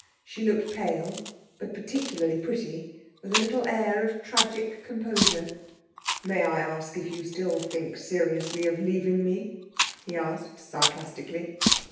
She looked pale, but particularly pretty, with a little air of tragic composure. 'May I ask if you still think seriously of leaving me?' he asked sarcastically.